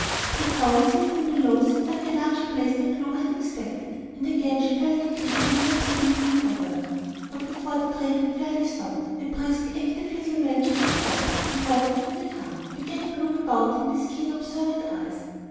The town, seen from below, seemed a larger place than Clover had expected, and again she felt the creeping, nervous feeling come over her. But before the train had fairly stopped, a brisk, active little man jumped on board, and walking into the car, began to look about him with keen, observant eyes.